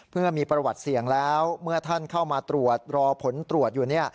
เมื่อมีประวัติเสี่ยงแล้วเมื่อท่านเข้ามาตรวจรอผลตรวจอยู่